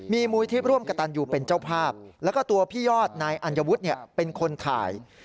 มีมูลที่ร่วมกระตันอยู่เป็นเจ้าภาพแล้วก็ตัวพี่ยอดนายอัญวุฒิเป็นคนถ่าย